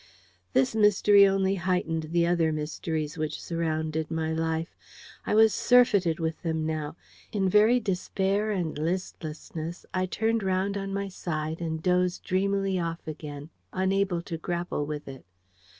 This mystery only heightened the other mysteries which surrounded my life. I was surfeited with them now. In very despair and listlessness, I turned round on my side, and dozed dreamily off again, unable to grapple with it.